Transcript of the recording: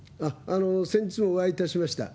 先日もお会いいたしました。